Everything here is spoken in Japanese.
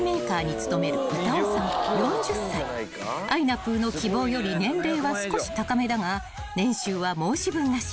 ［あいなぷぅの希望より年齢は少し高めだが年収は申し分なし］